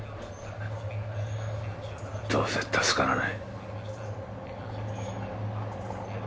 どうせ助からない